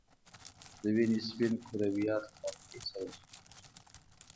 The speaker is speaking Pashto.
د وینې سپین کرویات له ناروغیو سره جنګیږي